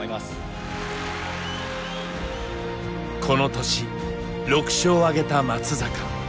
この年６勝をあげた松坂。